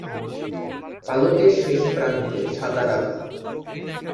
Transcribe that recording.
পালকের শেষ প্রান্তে সাদার আভা।